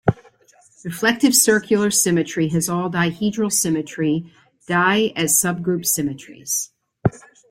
Reflective circular symmetry has all dihedral symmetry, Dih as subgroup symmetries.